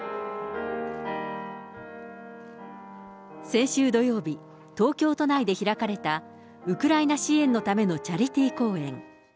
先週土曜日、東京都内で開かれたウクライナ支援のためのチャリティー公演。